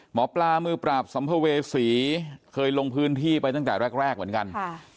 หมอปลามือปราบสัมภเวษีเคยลงพื้นที่ไปตั้งแต่แรกเหมือนกัน